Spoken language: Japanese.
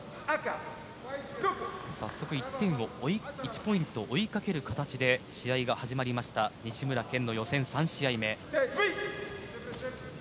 早速１点を追いかける展開で試合が始まりました西村拳の予選３試合目。